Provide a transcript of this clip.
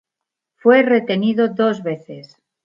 Fue retenido dos veces.